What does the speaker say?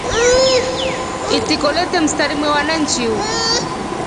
Itiko nyete mstari mwewa na njiu.